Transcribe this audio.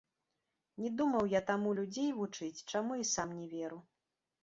Не думаў я таму людзей вучыць, чаму і сам не веру.